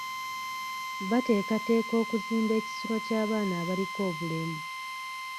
Bateekateeka okuzimba ekisulo ky'abaana abaliko obulemu.